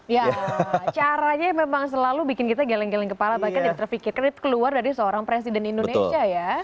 ya caranya memang selalu bikin kita geleng geleng kepala bahkan ya terpikir keluar dari seorang presiden indonesia ya